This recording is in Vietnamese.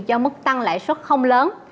do mức tăng lãi suất không lớn